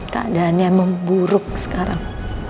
keadaannya memburuk sekarang